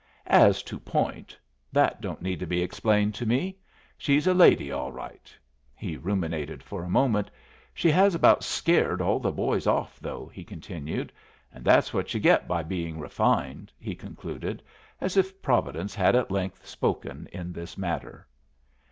"As to point that don't need to be explained to me. She's a lady all right." He ruminated for a moment. "She has about scared all the boys off, though," he continued. "And that's what you get by being refined," he concluded, as if Providence had at length spoken in this matter.